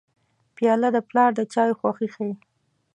پیاله د پلار د چایو خوښي ښيي.